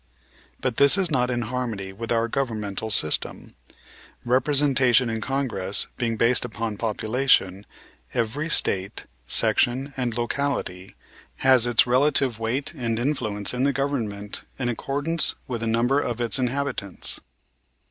But this is not in harmony with our governmental system. Representation in Congress being based upon population, every State, section and locality has its relative weight and influence in the government in accordance with the number of its inhabitants.